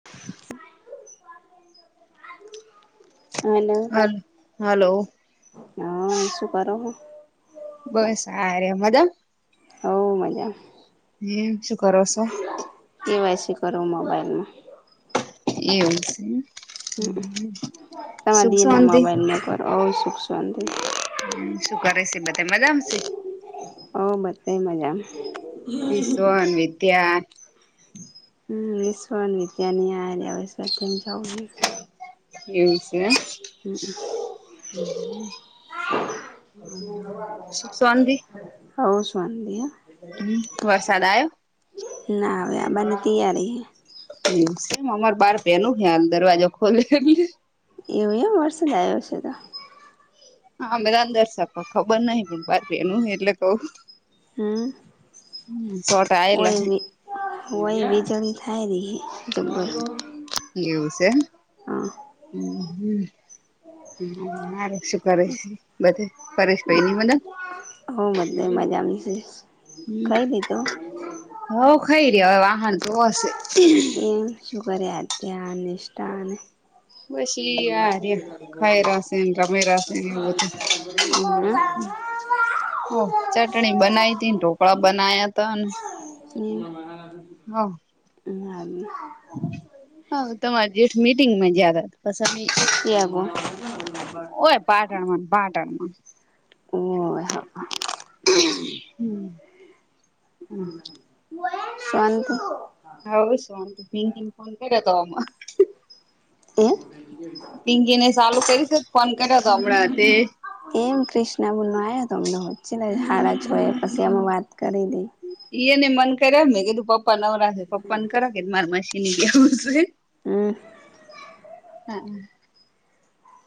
[unintelligible] Hello હાલ hello હા આસું કરોો બસ સરે મધા હવ મજા હમમ શું કરો છો. કેવાય શ કરુ મોબાઈલમા એવું છે. હમ તમા સુખ દી ના શાંતિ મોબાઈલ ન કરો અું સુખ શાતિ હમ શું કરે છે, બધા મજા આશે ઓ બધે મજા વિશવન વિદ્યા હમ વિશ્વણ વિદ્યાની આ્યા વિશ જ એવું છે. હે સુખ સધી હ શન દ વરસાદ આયો નાવેવે બનતીએ ર મ અમાર બાર પેનું હ હલ દરવાજો ખોલે એટલે એવું એમ વર્ષદ આવ્યો છે તો હામે તો અંદરશ આપ ખબર નહ પણ બાર બેનું એટલે કવું [inaudible] [inaudible] હોય બી હે હોય વીજણી થાય રહી જબર એવું છે. [inaudible] [inaudible] હ માાર શું કર છે, બધે ફેશ ભાઈ નની મદન હ બદલે મજાની છે. હમ ખઈ લીધું હવ ખઈ રહ્યા હવે વાહન તો હશે એમ શું કર્યા અત્યા નિષ્ઠાને બસ એ યાર ખાયરાસ રમેરા છે એ છે. ઓ ચટણી બનાવી હતી ને ઢોકળા બનાયા તા અને [inaudible] [unintelligible] હા તમારે જેઠ મીટિંગમાં જદ પી શયાબો હોય પાટણ મા પાટણમા ઓ [inaudible] શાંતિ હ શુંંત ભી ફોન કર્યો તોમા [inaudible] [unintelligible] તો હમણાં તે [inaudible] એમ ક્રિષ્ના બુન નો આયો તો અમને છે ને હાડા છો એ પછી અમે વાત કરી તી ઈ એ ને મન કર્યા મે કે તું પપ્પા નવરા છે પપ્પાને કરાવ કે મારે [inaudible] હમ [unintelligible]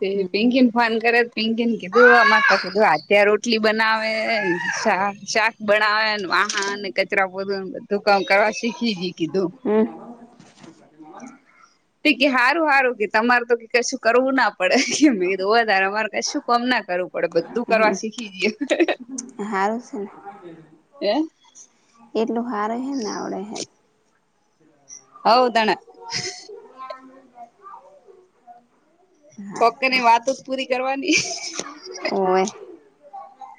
તે [unintelligible] ફોન કરે પિંકીને કીધું અમાર તો કીધું આ ત્યાં રોટલી બનાવે શાક શાક બનાાવને વાહણ, કચરા, પોતુ બધું કામ કરવા શીખી જી કીધું. [inaudible] તે કે હારું હારું કે તમારે તો કશું કરવું ના પડે મેં કીધું હોવે તાર અમાર કશું કોમ ના કરવું પડે બધું કરવા શીખી જઈઅ હારું છે ન એટલું હાર હેન આવડે હેન‌ હવ તાણ [inaudible] [unintelligible] કોક દી ની વાતો પૂરી કરવાની ઓવે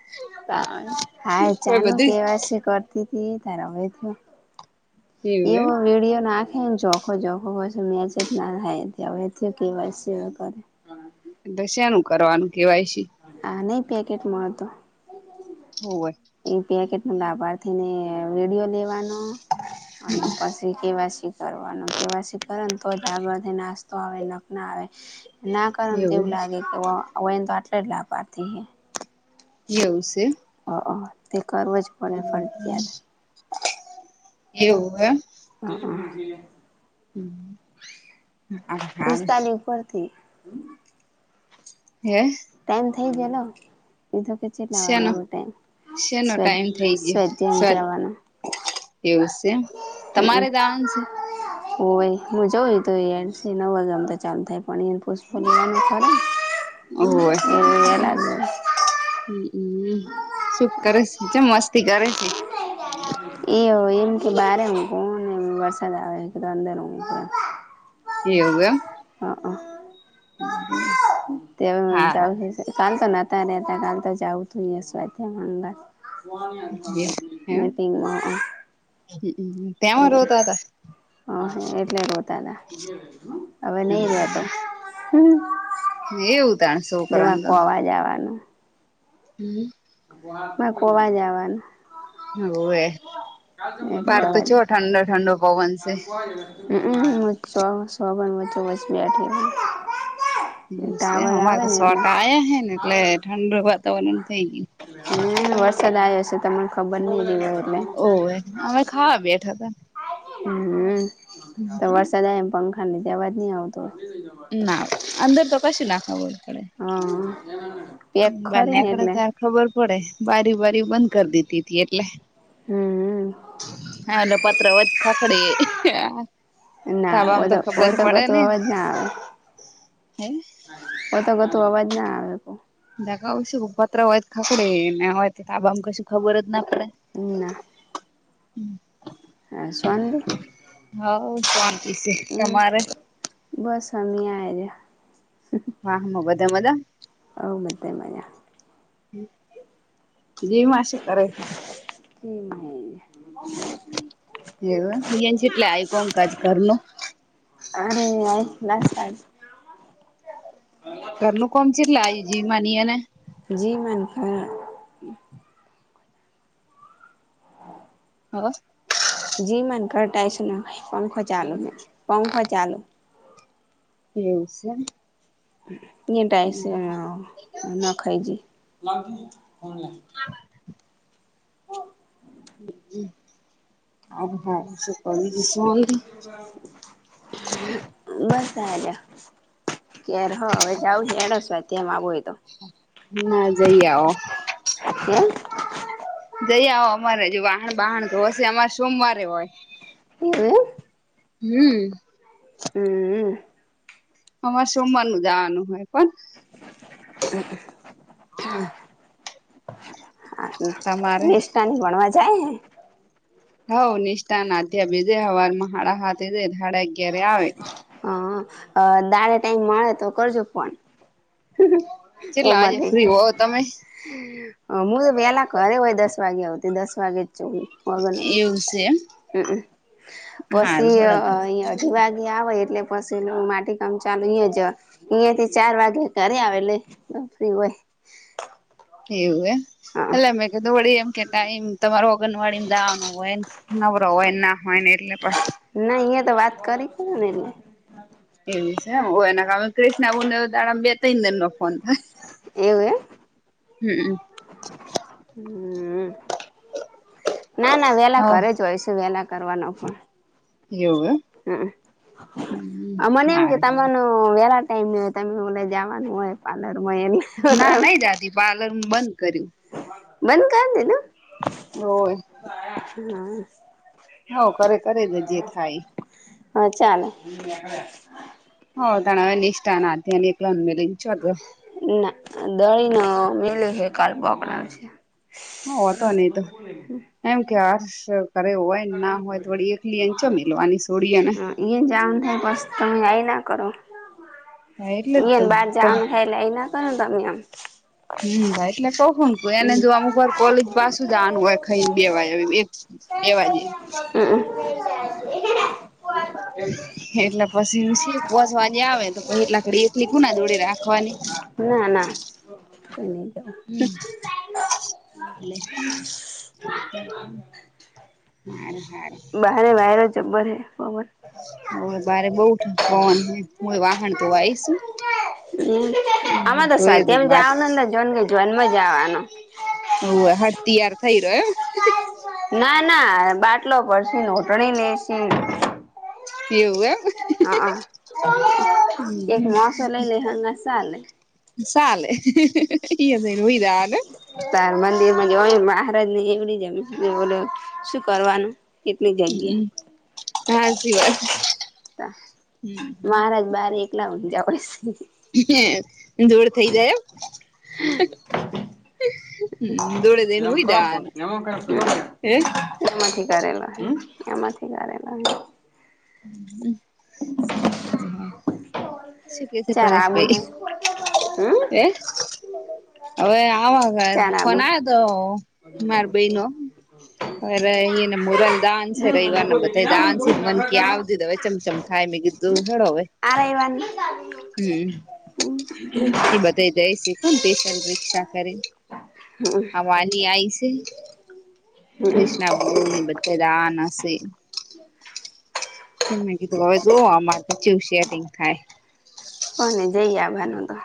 [inaudible] હા એ કોઈ ચારનું બધી કેવાયશી કરતી તી અતાર હવે થયું. એવું એવો એમ વીડીયો નાખેન જો જહું વશી મેસેજ ના થાય જવું સે કે. વાઈ. સી નું પણ એટલે શેનું કરવાનું કે. વાઈ. સી? આ નહી પેકેટ મળતો હોવે એ પેકેટ નું લાભાર્થી ને વીડિયો લેવાનો અને પછી કેવાસી કરવાનું કેવાશી કર ને તો જ આગળથી નાસ્તો આવે નક ના આવે. ના કરન તો એવું લાગે કેવે એને તો અવાય ન તો આટલે જ લાભારથી હે એવું સે એમ? હ અ તે કરવો જ પડે ફરજિયાત એવું હે એમ? હારું હારું પિસ્તાલી ઉપર થી હે? ટાઈમ થઈ ગ્યો લો એ તો કે જેટલા શેનો વાગ્યા નો ટાઈમ શેનો સ્વ ટાઈમ થઈ ગયો સ્વાધ્યાયમ સર જાવાનો? એવું સે તમારે જાવાનું સે? હોવે હું જવ તો એ સી નવા ગામ તો ચાલુ થાય પણ [inaudible] ઓવે [inaudible] ઓવે એ લાગે હમ સુ કરસ ચમ મસ્તી કરે છ એ? એ એમ કે બારે ઊંઘવું ને વરસાદ આવે કે અંદર ઊંઘવાનું એવું એમ? હ અ [inaudible] તે અવે ચાલુ હારું થશે કાલ તો નતા રેતા એમ [unintelligible] મિટિંગમાં [inaudible] તેમા રોતા તા અ હ એટલે રોતા તા અવે નઈ રોતો એવું તાણ સોકરા ન તો આજ આવાનું હમ ના ગોવા જવાનું હોવે બાર તો ચેવો ઠંડો ઠંડો પવન છે હમ સો સો બ મેં તો બસ બેઠી હું. એવું સે ટાવર અમાર આવે તો ને એટલે. સોટા આયા હેન એટલે ઠંડું વાતાવરણ થઈ ગયું. એ વરસાદ આવ્યો છે તમને ખબર નહીં રઈ હોય એટલે. ઓવે અમે ખાવા બેઠા હતા. હમ તો વરસાદ આયો ન પંખા લીધે અવાજ ની આવતો હોય. ના અંદર તો કશું ના ખબર પડે. હા. પેક બાર ખરી ને નેકડો એટલે તાર ખબર પડે બારીઓ બારીઓ બંધ કર દીધીતી એટલે. હમ હા ઓલા પતરા હોઈત ખખડે. ના તાબામ તો ઓ ખબર તો પડે ગત ને અવાજ ના આવે. હે પો તો ગું અવાજ ના આવે. દાખા શ પત્ર હોય ખાકડી હોય તાબામ ક શુ ખબર જ ના કરે. હ શવાં હઉ શાંતિ છે, તમારે? બસ હી આ રહ્યા. હા હા બધા બધા? અ મધ માજ. જે માછું કરે છે. કેમ? એ એટલે આ કોમ કજ ઘરનુ. અરે આય લમ ઘરનું કોમ છેટલે આ જીવ માની એ ને. જી મન કર. [unintelligible] જી મન ઘટ છે પંખો ચાલુ પંખો ચાલુ. એવું છે? ટાઈ છે, ના ખાય જ. [unintelligible] હ હા શતાવી દસની બસ સલે. કે્યારે હ હવે જાઉ હ એને સ્ વામ આવો હોય તો. ના જઈ આવો. [unintelligible] જઈ આવ અમારે જે વાહાણ બહાણ તો હછ અમારે સોમવારે હોય. એવુ? હમ્મ. હમ્મ. અરે સોમવાર નું જવાનું હોય પણ. [unintelligible] હા. હા તમારે નિષ્ઠાની ભણવા જાય. હવ નિષ્ઠાધ્યા બીજે હવાર માં સાડા હા જ સાાડા અગય આવે. અ દારેે ટાઈમ મળે તો કરજો ફોન. ચલ્લા આજે ફ્રી હો તમે? હ હું તો વેલા ઘરે હોય દસ વાગે આવતી દસ વાગે જ છુ હુ. એવું છે એમ? હમ, હારું પછી હળક અહીયા અઢી વાગ્યા આવે એટલે પછી એ માટી કામ ચાલુ જ અહિયાયા થી ચાર વાગે કર આવે એટલે ફ્રી હોય. એવું એ હા એટલે મે કીધું વળી એમ કે ટાઈમ તમારો ઓંગણવાડી ને જાવાનો હોય. નવરો હોય ના હોય ને એટલે પ ને અહિયા તો વાત કરી [unintelligible] એવું છે [unintelligible] એવું એમ હમ હમ [inaudible] ના ના વેલા હવ કરે જ હોય છે વેલા કરવાનો પણ એવુ એમ હમ હાં મને એમ કે હારું હારું તમનું વેલા ટાઈમ ને હોય તમે જવાનું હોય પાર્લર હોય એની ના નહી જાતી પાર્લર બંધ કર્યું બંધ કર દીધું હોય ના હઉ કરે કરે જ જે થાય હા ચાલે હો તણાવ નેઈષ્ટા ના [unintelligible] ના દઈ નો મેલ હે કાલ પકડ છે હતો નહી તો એમ કે હાર કરે હોય ના હોય તોડી એકલી એચો મિલવાની છોડી એને ઇયે જાવ થાય બસ તમે આઈ ના કરો હા એટલે જ ઇયે તો બાર કોઈ જાવાનું હે ટલે એ ના કરો તમે હો હમ ગઈટલે તોહ એને જો અમુક વાર કોલેજ પાસું જવાનું હોય ખાઈને બે વા એક બે વાગે હમ એટલે પછી પોહસવા જ આવે તો પછ એટલા કરીડી એકલી કુ ના દોડી રાખવાની ના ના એને હમ એટલે હમ હમ હારું હારું બાર માર જબ્બર હૈ પવન હમ બારે બઉ પવન હે વાહન ધોવા આઈશું હમ આમાં તો સ્વાધ્યમ વાત જવાનું ને જોન ને જોન્મ જાવાનું હવ હડતીયાર થઈ રહ્યો એમ ના ના બાટલો પડશે નોટણી લેસી એવું એ હા હા એક હમ માસો લઈ લેહે એટલે સાલે સાલે [unintelligible] તાર મંદિર માં જવાનું મહારાજ ને એવડી જમ બોલો શું કરવાનું કેટલી જગ્યા હમ હાચી વાત હમ મહારાજ [unintelligible] હે દૂડ થઈ જાય એમ હમ દોડદેનું હોય દાન એમાંથી કરેલો હે એમાંથી કરેલો હે હમ હમ શું કે છે ચાર આબુ હે પરેશભાઈ હમ એ અવે આ વખત ચાર આબુ ફોન આયો તો માર બઈ નો અરે એ નમ મુરલ દાન્સ રઈવા નમ બત દાન્સદ મનકીયા આવદ દવે ચમચમ થાય મેં કીધું હળોવે આરાવાની હમ એ બધ જઈ છે, કોણ પેશલ રિકક્ષા કરીે હા વાની આય છે કૃષ્ણા ભગવન ની બધા રાહના છે. તે મે કીધું હવે જોવા માટે જવ શેરિંગ થાય. કોને જઈ આવાનું તો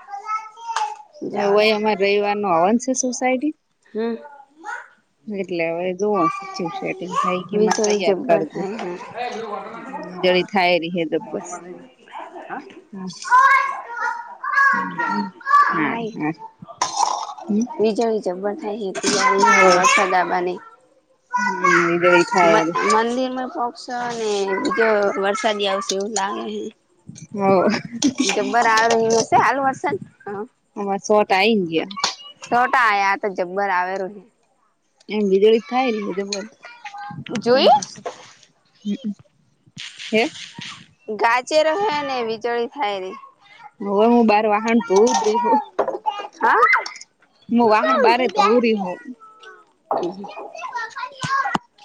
હય જવાનું અમારે રવિવાર ન આવન છે, સોસાયટી હમ્મ એટલે વ જો શિવસેટિંગ થઈ ગીમા વીજળી તૈયાર જબ્બર કરજુ થાય હે થાય રહી હ તો બસ હા. હ હા હા હાય હમ્મ જ થાય વરસાદબને હમ વીજળી થાય રે મંદિર મે પહચ ને બીજો વરસાદી આવશે એવું લાગે હ હ જબ્બર આવ હિશે આલુ વર્સ હ હ શોટ આ આવીન્ ગયા. સોટા આવયા તો જબ્બર આવેલું ન એમ વીજળી થાય રહી હ તો બ હે જોયું હમ હે ગાચેર હ ને બીજોળી થાય ર હવે હું બાર વાહાણ તુ હા વાહણ બારે ધોઉં રહી હું હમ્મ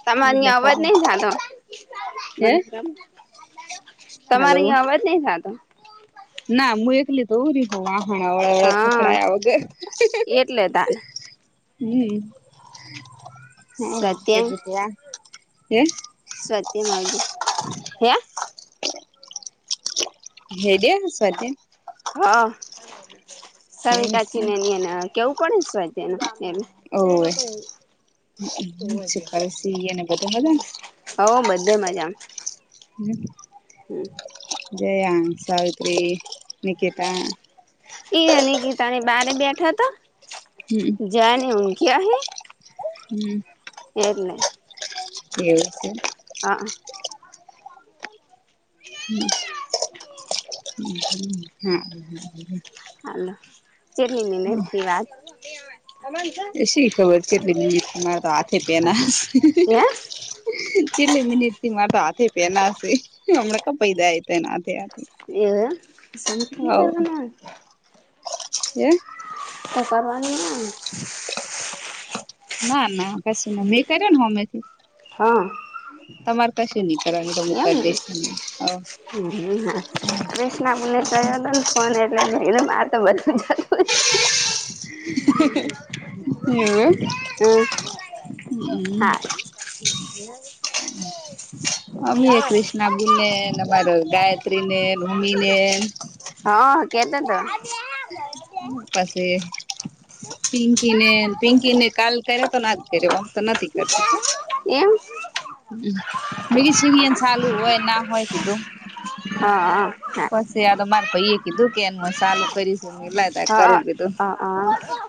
તમાર ની એટલે અવાજ ખબર નહી થતો હે મ તમારે હાલો અહીંયા અવાજ નહી થતો. ના હું એકલી દોરી હ વાહણ હા પકડાયા વગર એટલે તાન હમ હમ કેધયા હમ્મ સતી્યમા હે હે્યા સ્વાતી હા સવ સ્વાધ્યાય કાચીન એની એને કેવું પડે સ્જ્યનુ એ ઓવેીળ સીને બધા બા હવ બધે મજા હમ્મ હમ્મ જયા સાવિત્રી નિકિતા એઈ નિકીતા ની બારે બેઠો હતો. હમ્મ જયાનેવઊ ક હૈ હમ્મ એરલે એ છે. હ હમ હા હ જેટલી મિની વાત શી ખબર છે એટલે બીમાર તો હાથે પના હ હે છેલ્લી મિનિટ થી મારે તો હાથે પેના હશે હમણાં કપૈ દ તોને હાથે હથે. સામથની કારગના હ ઓકારમા ન ના ના કશી ના મેં કર્યો ને અમેથી. હા. તમારે કશે, એમ નનીકનીમુકદેશ હ [unintelligible] બનેયો હતો ને, ફોન એટલેને મારે તો બધું. હ. હ, હમ. એ. હમ. અમી એ ક્રિષ્નાબુ ને, અમારા ગાયત્રી ને, ઉમી ને. હા, કેતો તો. પછી. પિંકી ને, પિંકીને કાલ કર્યો તો, ના જ કર્યો આમ તો નથી કરતી. એમ. હ મેગ સિ ન સાાલું હોય ના હોય કીધું [unintelligible] હા. મારે પછી એ કીધું કે, એ હ ચાલું કરીશું ને. હા, હ, હ, હ.